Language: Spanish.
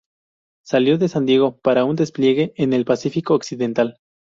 Salió de San Diego para un despliegue en el Pacífico occidental.